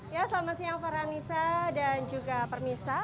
ya selamat siang farhanisa dan juga permisa